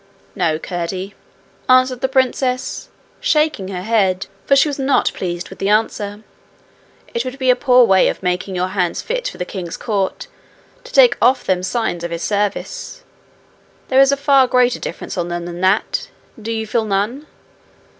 'No, Curdie,' answered the princess, shaking her head, for she was not pleased with the answer. 'It would be a poor way of making your hands fit for the king's court to take off them signs of his service. There is a far greater difference on them than that. Do you feel none?'